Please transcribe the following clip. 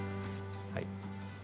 はい。